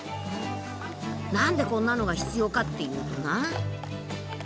何でこんなのが必要かっていうとな。